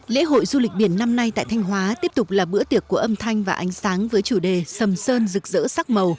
lễ hội du lịch biển năm nay tại thanh hóa tiếp tục là bữa tiệc của âm thanh và ánh sáng với chủ đề sầm sơn rực rỡ sắc màu